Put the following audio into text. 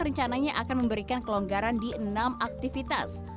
rencananya akan memberikan kelonggaran di enam aktivitas